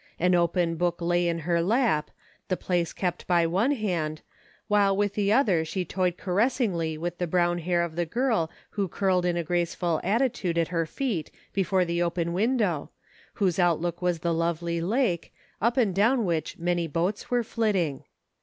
An open book lay in her lap, the place kept by one hand, while with the other she toyed caressingly with the brown hair of the girl who curled in a graceful attitude at her feet before the open window, whose outlook was the lovely lake, up and down which many boats were flitting.